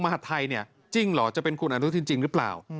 หัฐไทยเนี่ยจริงเหรอจะเป็นคุณอนุทินจริงหรือเปล่า